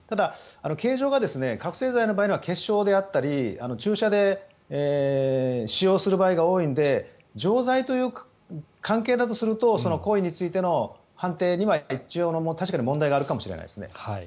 形状が覚醒剤の場合には結晶であったり注射で使用する場合が多いので錠剤という関係だとすると行為についての判定には確かに問題があるかもしれないですね。